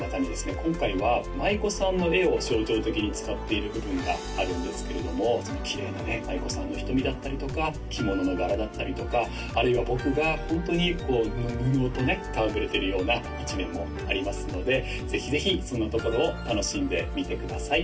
今回は舞妓さんの絵を象徴的に使っている部分があるんですけれどもきれいなね舞妓さんの瞳だったりとか着物の柄だったりとかあるいは僕がホントに布とね戯れているような一面もありますのでぜひぜひそのところを楽しんで見てください